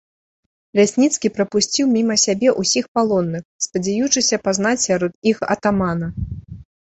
Лясніцкі прапусціў міма сябе ўсіх палонных, спадзеючыся пазнаць сярод іх атамана.